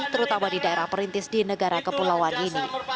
terutama di daerah perintis di negara kepulauan ini